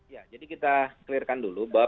ya jadi kita clear kan dulu